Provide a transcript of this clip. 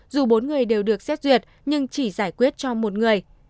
dù bốn người đều được xét duyệt nhưng chỉ giải quyết cho một người